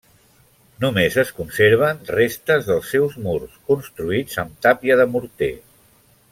Només es conserven restes dels seus murs, construïts amb tàpia de morter.